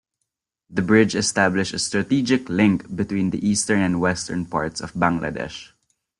The bridge established a strategic link between the eastern and western parts of Bangladesh.